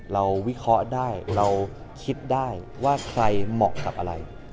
วิเคราะห์ได้เราคิดได้ว่าใครเหมาะกับอะไร